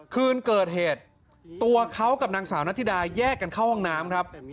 คืนเกิดเหตุตัวเขากับนางสาวนัทธิดาแยกกันเข้าห้องน้ำครับ